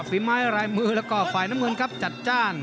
ฝีไม้ลายมือแล้วก็ฝ่ายน้ำเงินครับจัดจ้าน